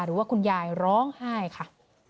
หรือว่าคุณยายร้องไห้ค่ะ